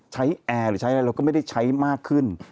แอร์หรือใช้อะไรเราก็ไม่ได้ใช้มากขึ้น